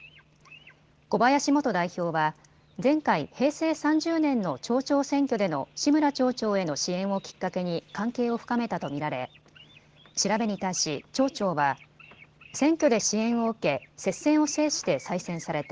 小林元代表は前回・平成３０年の町長選挙での志村町長への支援をきっかけに関係を深めたと見られ調べに対し町長は選挙で支援を受け、接戦を制して再選された。